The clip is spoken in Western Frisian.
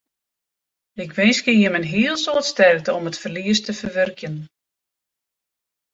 Ik winskje jimme in hiel soad sterkte om it ferlies te ferwurkjen.